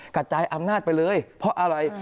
กระจายอำนาจไปเลยเพราะอะไร